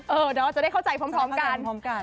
เดี๋ยวเราจะได้เข้าใจพร้อมกัน